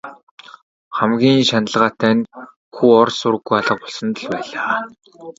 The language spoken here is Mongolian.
Хамгийн шаналгаатай нь хүү ор сураггүй алга болсонд л байлаа.